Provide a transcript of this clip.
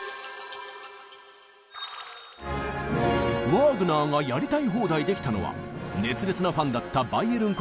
ワーグナーがやりたい放題できたのは熱烈なファンだったバイエルン